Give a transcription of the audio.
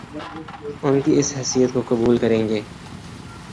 ان کی اس حیثیت کو قبول کریں گے